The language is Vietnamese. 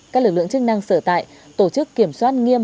các lực lượng chức năng sở tại tổ chức kiểm soát nghiêm